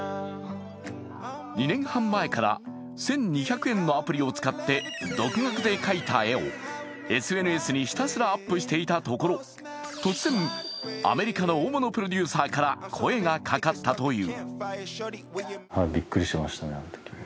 ２年半目から１２００円のアプリを使って独学で描いた絵をＳＮＳにひたすらアップしていたところ、突然、アメリカの大物プロデューサーから声がかかったという。